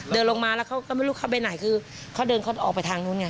เดินลงมาแล้วเขาก็ไม่รู้เขาไปไหนคือเขาเดินเขาออกไปทางนู้นไง